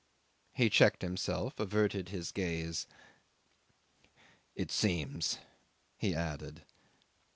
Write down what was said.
." He checked himself, averted his gaze. ... "It seems," he added.